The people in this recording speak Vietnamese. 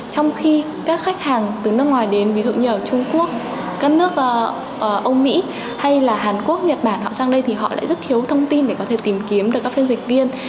trong khi các khách hàng từ nước ngoài đến ví dụ như ở trung quốc các nước ông mỹ hay là hàn quốc nhật bản họ sang đây thì họ lại rất thiếu thông tin để có thể tìm kiếm được các phiên dịch viên